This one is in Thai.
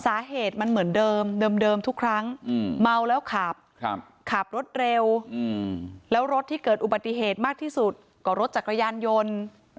สาเหตุมันเหมือนเดิมเดิมทุกครั้งเมาแล้วขับขับรถเร็วแล้วรถที่เกิดอุบัติเหตุมากที่สุดก็รถจักรยานยนต์